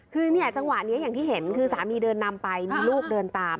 คือเนี่ยจังหวะนี้อย่างที่เห็นคือสามีเดินนำไปมีลูกเดินตาม